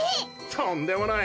とんでもない。